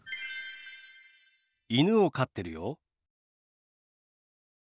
犬を飼ってるよ。